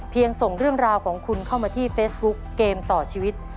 ส่งเรื่องราวของคุณเข้ามาที่เฟซบุ๊กเกมต่อชีวิต